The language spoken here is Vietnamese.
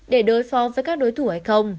để đối phó với các đối thủ hay không